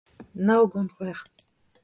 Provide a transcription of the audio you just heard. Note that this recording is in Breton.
Naogont c'hwec'h